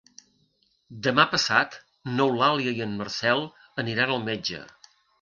Demà passat n'Eulàlia i en Marcel aniran al metge.